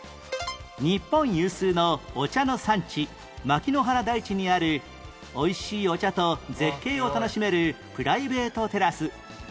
日本有数のお茶の産地牧之原台地にある美味しいお茶と絶景を楽しめるプライベートテラス